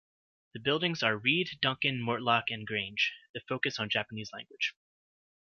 The buildings are Reade, Duncan, Mortlock and Grange.The focus on Japanese language.